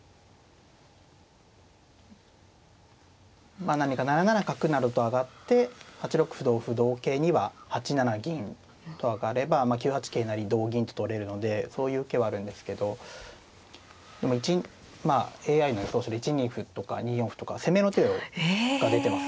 まあ何か７七角などと上がって８六歩同歩同桂には８七銀と上がれば９八桂成同銀と取れるのでそういう受けはあるんですけどでもまあＡＩの予想手で１二歩とか２四歩とか攻め手が出てますね。